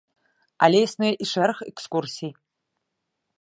Але існуе і шэраг экскурсій.